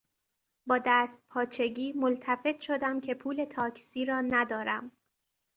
با دستپاچگی ملتفت شدم که پول تاکسی را ندارم.